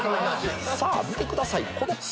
さぁ見てください。